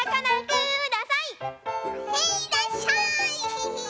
へいいらっしゃい！